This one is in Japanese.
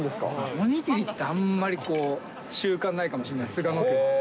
おにぎりって、あんまり習慣ないかもしれない、菅野家は。